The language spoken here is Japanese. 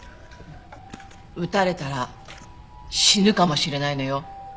撃たれたら死ぬかもしれないのよ？